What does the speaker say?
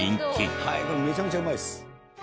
はいこれめちゃめちゃうまいです。